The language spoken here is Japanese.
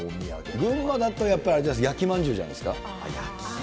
群馬だと、やっぱりあれです、焼きまんじゅうじゃないですか。